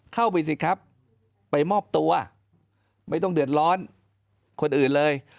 เข้าไปสิครับไปมอบตัวไม่ต้องเดือดร้อนคนอื่นเลย